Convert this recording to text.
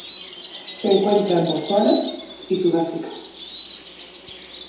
Se encuentra en Botsuana y Sudáfrica.